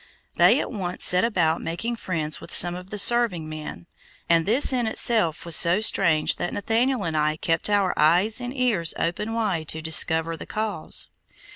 They at once set about making friends with some of the serving men, and this in itself was so strange that Nathaniel and I kept our eyes and ears open wide to discover the cause.